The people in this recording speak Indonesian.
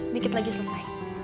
dikit lagi selesai